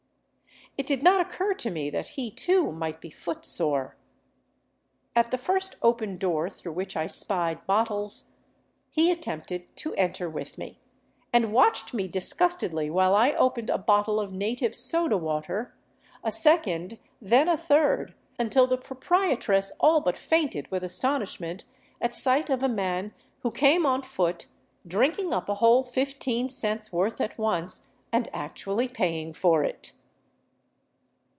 It did not occur to me that he, too, might be foot sore. At the first open door through which I spied bottles, he attempted to enter with me, and watched me disgustedly while I opened a bottle of native soda water, a second, then a third, until the proprietress all but fainted with astonishment at sight of a man who came on foot drink ing up a whole fifteen cents' worth at once — and actually paying for it.